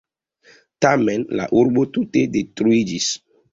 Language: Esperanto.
Tamen, la urbo tute detruiĝis.